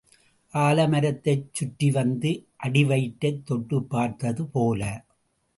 ஆலமரத்தைச் சுற்றி வந்து அடிவயிற்றைத் தொட்டுப் பார்த்தது போல.